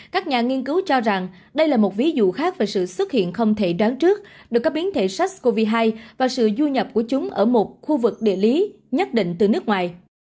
các nhà nghiên cứu cho rằng đây là một ví dụ khác về sự xuất hiện không thể đoán trước được các biến thể sars cov hai và sự du nhập của chúng ở một khu vực địa lý nhất định từ nước ngoài